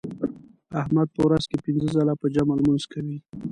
احمد په ورځ کې پینځه ځله په جمع لمونځ کوي.